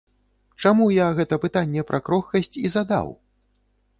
Чаму я гэта пытанне пра крохкасць і задаў?